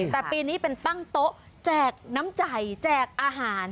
แต่ปีนี้เป็นตั้งโต๊ะแจกน้ำใจแจกอาหาร